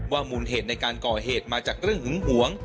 มูลเหตุในการก่อเหตุมาจากเรื่องหึงหวง